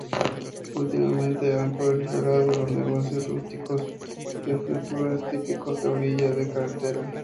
Últimamente han proliferado los negocios rústicos de frituras típicos a orilla de la carretera.